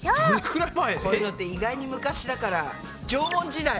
こういうのって意外に昔だから縄文時代。